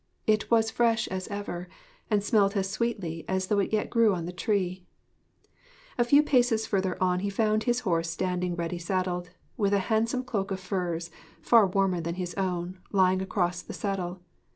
It was fresh as ever, and smelt as sweetly as though it yet grew on the tree. A few paces further on he found his horse standing ready saddled, with a handsome cloak of furs, far warmer than his own, lying across the saddle.